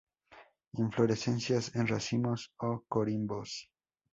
Inflorescencias en racimos o corimbos.